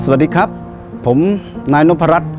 สวัสดีครับผมนายนพรัช